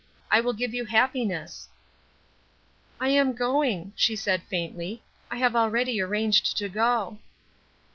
I will give you happiness." "I am going," she said faintly. "I have already arranged to go."